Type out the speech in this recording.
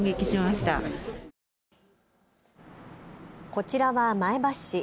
こちらは前橋市。